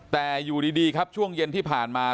แต่อยู่ดีครับช่วงเย็นที่ผ่านมา